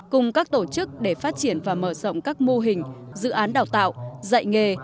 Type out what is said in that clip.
cùng các tổ chức để phát triển và mở rộng các mô hình dự án đào tạo dạy nghề